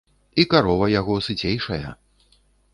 І карова яго сыцейшая.